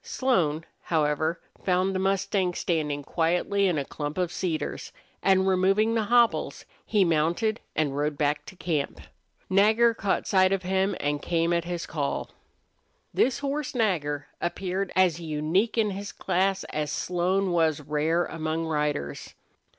Slone, however, found the mustang standing quietly in a clump of cedars, and, removing the hobbles, he mounted and rode back to camp. Nagger caught sight of him and came at his call. This horse Nagger appeared as unique in his class as Slone was rare among riders.